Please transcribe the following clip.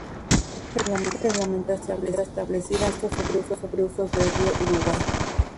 Esta reglamentación queda establecida en el Digesto sobre usos del Río Uruguay.